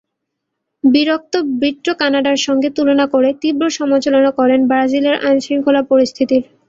বিরক্ত ব্রিট্টো কানাডার সঙ্গে তুলনা করে তীব্র সমালোচনা করেন ব্রাজিলের আইনশৃঙ্খলা পরিস্থিতির।